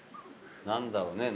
何だろうね？